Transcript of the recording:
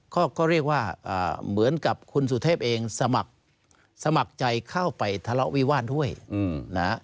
ก็เรียกว่าเหมือนกับคุณสุเทพเองสมัครสมัครใจเข้าไปทะเลาะวิวาสด้วยนะฮะ